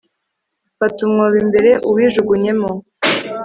fata umwobo imbere uwijugunyemo